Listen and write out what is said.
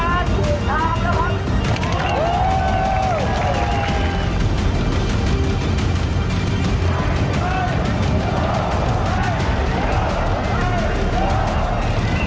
สวัสดีครับ